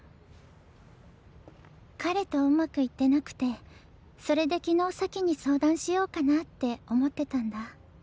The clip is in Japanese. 彼とうまくいってなくてそれで昨日咲に相談しようかなって思ってたんだ。